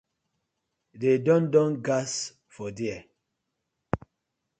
De don don gas for dier.